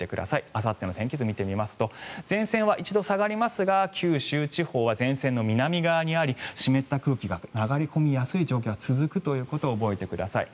あさっての天気図を見てみると前線は一度下がりますが九州地方は前線の南側にあり湿った空気が流れ込みやすい状況が続くということを覚えておいてください。